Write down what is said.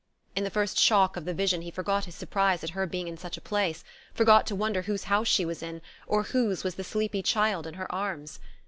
In the first shock of the vision he forgot his surprise at her being in such a place, forgot to wonder whose house she was in, or whose was the sleepy child in her arms.